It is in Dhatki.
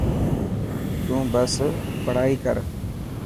تون بس پڙهائي ڪر.